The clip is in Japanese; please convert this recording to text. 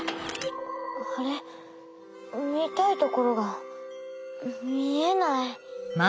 あれっ？みたいところがみえない。